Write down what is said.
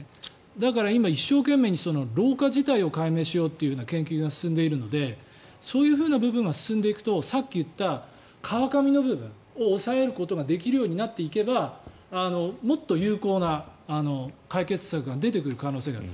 だから、今、一生懸命老化自体を解明しようという研究が進んでいるのでそういう部分が進んでいくとさっき言った川上の部分を抑えることができるようになっていけばもっと有効な解決策が出てくる可能性がある。